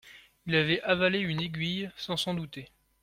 Il avait avalé une aiguille, sans s’en douter…